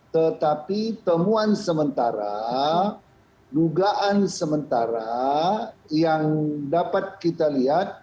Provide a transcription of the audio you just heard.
tetapi temuan sementara dugaan sementara yang dapat kita lihat